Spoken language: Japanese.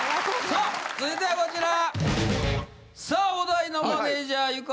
さあ続いてはこちら！